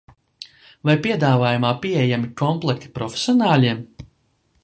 Vai piedāvājumā pieejami komplekti profesionāļiem?